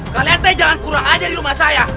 kalian tanya jangan kurang aja di rumah saya